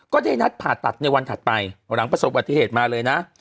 ก็ได้นัดผ่าตัดในวันถัดไปหลังประสบวัติเหตุมาเลยนะ